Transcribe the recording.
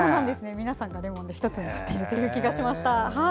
皆さんがレモンで１つになっているという気がしました。